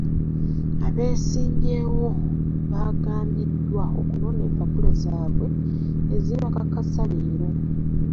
Abeesimbyewo baagambiddwa okunona empapula zaabwe ezibakakasa leero.